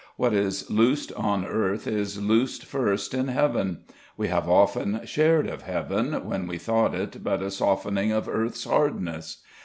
What is loosed on earth is loosed first in heaven: we have often shared of heaven, when we thought it but a softening of earth's hardness.